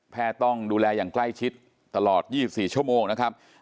ต้องดูแลอย่างใกล้ชิดตลอด๒๔ชั่วโมงนะครับ